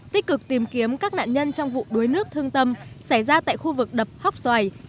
tích cực tìm kiếm các nạn nhân trong vụ đuối nước thương tâm xảy ra tại khu vực đập hóc xoài